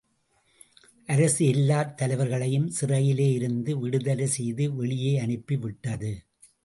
அரசு எல்லாத் தலைவர்களையும் சிறையிலே இருந்து விடுதலை செய்து வெளியே அனுப்பிவிட்டது.